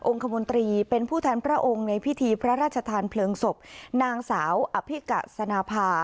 คมนตรีเป็นผู้แทนพระองค์ในพิธีพระราชทานเพลิงศพนางสาวอภิกัสณภา